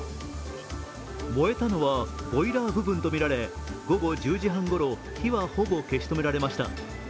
燃えたのはボイラー部分とみられ、午後１０時半ごろ火はほぼ消し止められました。